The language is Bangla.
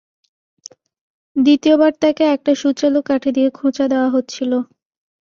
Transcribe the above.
দ্বিতীয় বার তাকে একটা সূচালো কাঠি দিয়ে খোঁচা দেওয়া হচ্ছিল।